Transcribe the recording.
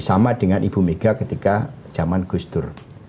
sama dengan ibu mega ketika zaman gustur